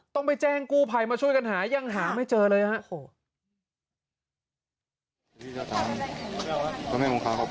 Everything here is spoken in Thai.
ต้องไปแจ้งกู้ภัยมาช่วยกันหายังหาไม่เจอเลยครับ